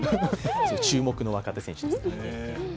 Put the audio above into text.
注目の若手選手です。